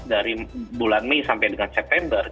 dari bulan mei sampai dengan september